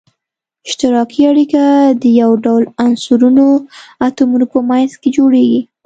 اشتراکي اړیکه د یو ډول عنصرونو اتومونو په منځ کې جوړیږی.